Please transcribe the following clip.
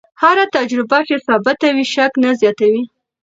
هره تجربه چې ثابته وي، شک نه زیاتوي.